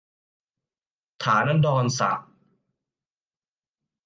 ฐานันดรศักดิ์